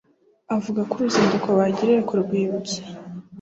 avuga ko uruzinduko bagiriye ku rwibutso